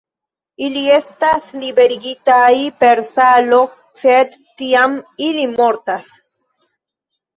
Ili estas liberigitaj per salo, sed tiam ili mortas.